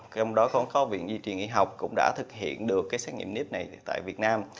trong đó còn có viện duy trì nghị học cũng đã thực hiện được cái xét nghiệm nipt này tại việt nam